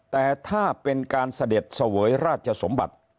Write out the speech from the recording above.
แต่ถ้าเป็นการเสด็จเสวยราชสมบัติ